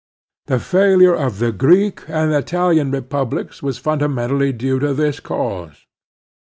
The failure of the Greek and Italian republics was fundamentally due to this cause.